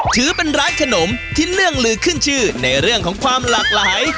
ถือเป็นร้านขนมที่เนื่องลือขึ้นชื่อในเรื่องของความหลากหลาย